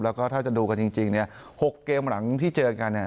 แล้วก็ถ้าจะดูกันจริงเนี่ย๖เกมหลังที่เจอกันเนี่ย